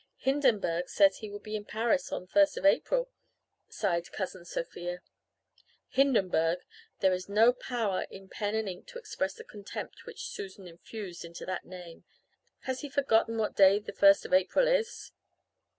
"'Hindenburg says he will be in Paris on 1st April,' sighed Cousin Sophia. "'Hindenburg!' There is no power in pen and ink to express the contempt which Susan infused into that name. 'Has he forgotten what day the first of April is?'